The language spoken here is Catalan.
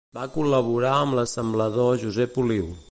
Va col·laborar amb l'assemblador Josep Oliu.